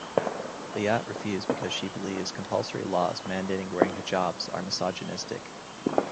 Bayat refused because she believes compulsory laws mandating wearing hijabs are misogynistic.